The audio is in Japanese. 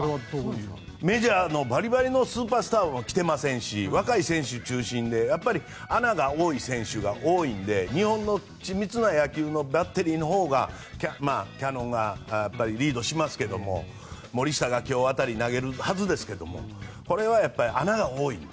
メジャーのバリバリのスーパースターも来ていませんし若い選手中心で穴が多い選手が多いので日本のち密な野球のバッテリーのほうがキヤノンがリードしますけど森下が今日辺り投げるはずですけどこれは穴が多いので。